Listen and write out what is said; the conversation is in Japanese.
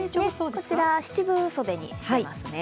こちら七分袖にしていますね。